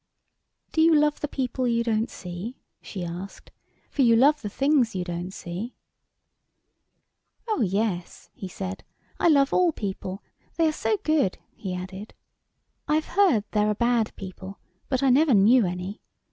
"Do you love the people you don't see?" she asked, " for you love the things you don't see." ANYHOW STORIES. [STORY i " Oh, yes," he said, " I love all people, they are so good," he added. " I have heard there are bad people, but I never knew any.